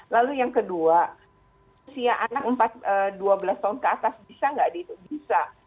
lalu yang kedua usia anak dua belas tahun ke atas bisa nggak bisa